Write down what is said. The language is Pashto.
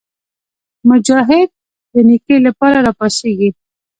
مجاهد د نیکۍ لپاره راپاڅېږي.